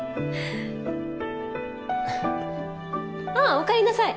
あぁおかえりなさい。